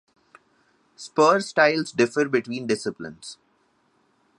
Spur styles differ between disciplines.